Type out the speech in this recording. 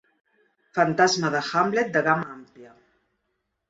Fantasma de Hamlet de gamma àmplia.